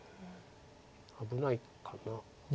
危ないかな。